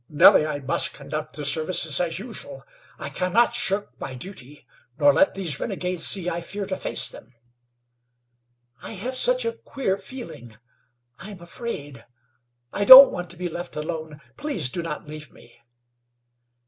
"Nellie, I must conduct the services as usual. I can not shirk my duty, nor let these renegades see I fear to face them." "I have such a queer feeling. I am afraid. I don't want to be left alone. Please do not leave me."